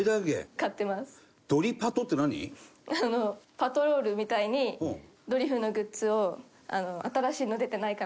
パトロールみたいにドリフのグッズを新しいの出てないかなとか。